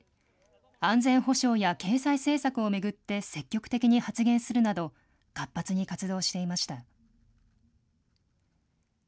安全保障や経済政策を巡って積極的に発言するなど、活発に活動していました。